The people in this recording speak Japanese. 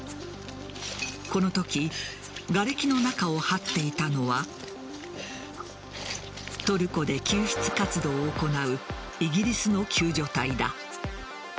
このときがれきの中をはっていたのはトルコで救出活動を行うイギリスの救助隊だ。